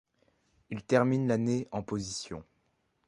Il termine l'année en position.